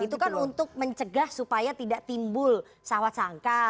itu kan untuk mencegah supaya tidak timbul sawat sangka